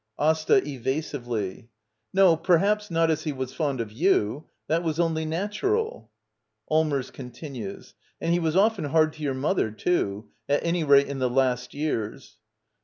AsTA. [Evasively.] No, perhaps not as he was fond of you. That was only natural. Allmers. [Continues.] And he was often hard to your mother, too — at any rate, in the last years.